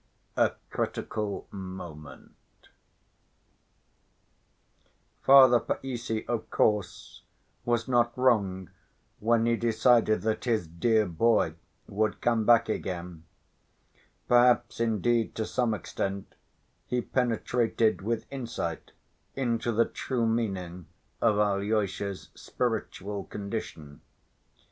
A Critical Moment Father Païssy, of course, was not wrong when he decided that his "dear boy" would come back again. Perhaps indeed, to some extent, he penetrated with insight into the true meaning of Alyosha's spiritual condition.